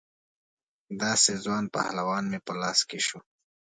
داسې ځوان پهلوان مې په لاس کې شو.